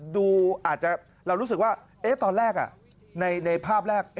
ดูอาจจะเรารู้สึกว่าตอนแรกในภาพแรก